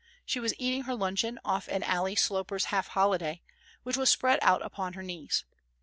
She was eating her luncheon off an Ally Sloper's Half Holiday, which was spread out upon her knees.